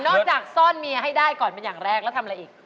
จากซ่อนเมียให้ได้ก่อนเป็นอย่างแรกแล้วทำอะไรอีก